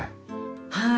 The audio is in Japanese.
はい。